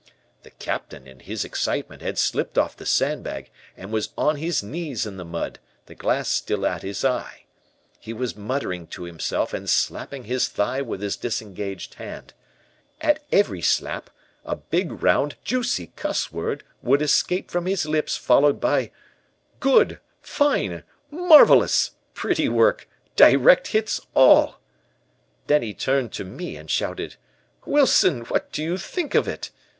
"The Captain, in his excitement, had slipped off the sandbag, and was on his knees in the mud, the glass still at his eye. He was muttering to himself and slapping his thigh with his disengaged hand. At every slap a big round juicy cuss word would escape from his lips followed by: "'Good, Fine, Marvelous, Pretty Work, Direct Hits, All! "Then he turned to me and shouted: "'Wilson, what do you think of it?